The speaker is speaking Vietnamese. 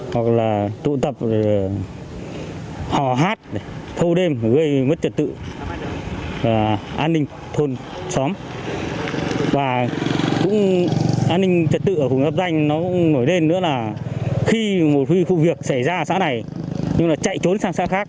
hoặc là tụ tập với dối trật tự công cộng